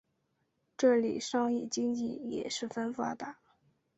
这里商业经济也十分发达。